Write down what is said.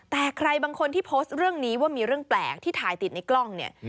แต่ใครบางคนที่โพสต์เรื่องนี้ว่ามีเรื่องแปลกที่ถ่ายติดในกล้องเนี่ย